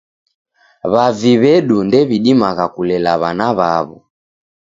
W'avi w'edu ndew'idimagha kulela w'ana w'aw'o.